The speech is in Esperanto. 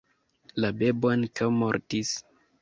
La bebo ankaŭ mortis.